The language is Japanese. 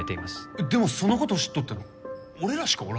えっでもその事を知っとったの俺らしかおらんよ？